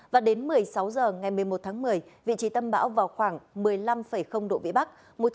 và đến một mươi sáu h ngày một mươi một tháng một mươi vị trí tâm bão vào khoảng một mươi năm độ vĩ bắc